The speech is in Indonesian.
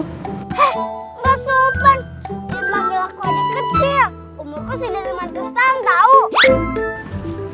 hei mbak soeban